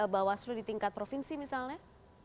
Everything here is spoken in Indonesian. bawaslu di tingkat provinsi misalnya